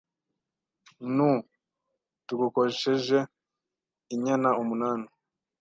N’uu tugukosheje inyana umunani